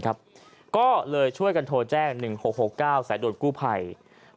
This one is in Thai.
ดูลก็เลยช่วยกันโทรแจ้ง๑๖๖๙สายโดทกู้ไพร